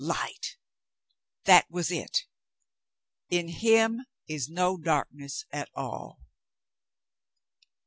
Light; that was it! "In Him is no darkness at all."